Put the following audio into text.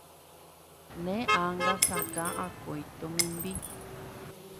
Ne ánga sakã akói tomimbi